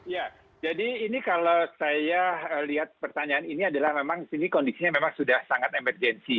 ya jadi ini kalau saya lihat pertanyaan ini adalah memang ini kondisinya memang sudah sangat emergensi